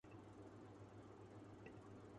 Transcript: وہ کیونکر کرسی چھوڑنے کا سوچیں؟